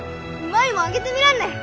舞もあげてみらんね。